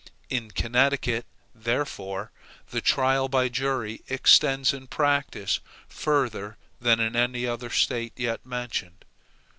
In Connecticut, therefore, the trial by jury extends in practice further than in any other State yet mentioned.